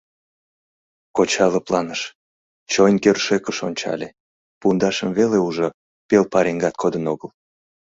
Коча лыпланыш, чойн кӧршӧкыш ончале — пундашым веле ужо, пел пареҥгат кодын огыл.